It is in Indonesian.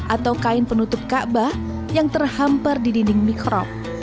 atau kain penutup ka'bah yang terhampar di dinding mikrob